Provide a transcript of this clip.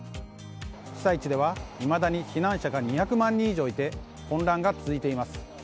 被災地では、いまだに避難者が２００万人以上いて混乱が続いています。